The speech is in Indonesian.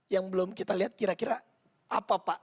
yang belum kita lihat kira kira apa pak